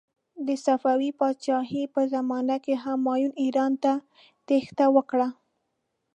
د صفوي پادشاهي په زمانې کې همایون ایران ته تیښته وکړه.